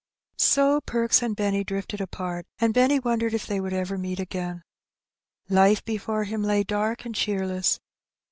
So Perks and Benny drifted apart, and Benny wondered if they would ever meet again. Life before him lay dark and cheerless.